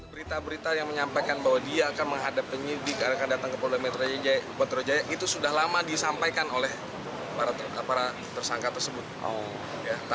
berita berita yang menyampaikan bahwa dia akan menghadap penyidik akan datang ke polda metro jaya itu sudah lama disampaikan oleh para tersangka tersebut